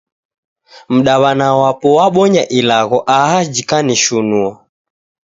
Mdaw'ana wapo wabonya ilagho aha jikanishinua!